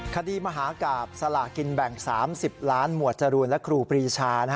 มหากราบสลากินแบ่ง๓๐ล้านหมวดจรูนและครูปรีชา